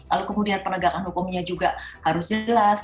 lalu kemudian penegakan hukumnya juga harus jelas